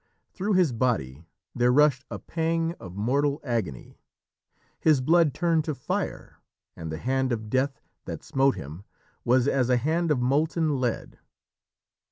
Through his body there rushed a pang of mortal agony. His blood turned to fire, and the hand of Death that smote him was as a hand of molten lead.